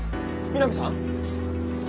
南さん？